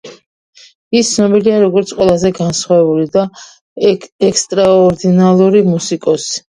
ის ცნობილია როგორც ყველაზე განსხვავებული და ექსტრაორდინალური მუსიკოსი.